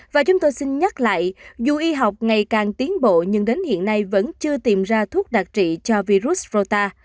và chúng tôi xin nhắc lại dù y học ngày càng tiến bộ nhưng đến hiện nay vẫn chưa tìm ra thuốc đặc trị cho virus rota